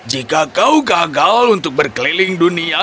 jika kau gagal untuk berkeliling dunia